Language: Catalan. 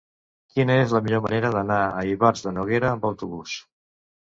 Quina és la millor manera d'anar a Ivars de Noguera amb autobús?